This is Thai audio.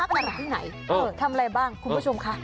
พักอะไรที่ไหนทำอะไรบ้างคุณผู้ชมคะ